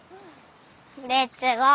レッツゴー！